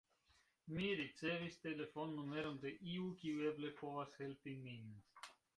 Mi ricevis telefonnumeron de iu, kiu eble povas helpi min.